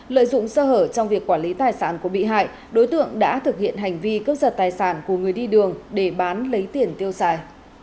lợi dụng sơ hở trong việc quản lý tài sản của bị hại đối tượng đã thực hiện hành vi cướp giật tài sản của người đi đường để bán lấy tiền tiêu xài